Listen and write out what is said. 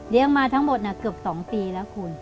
มาทั้งหมดเกือบ๒ปีแล้วคุณ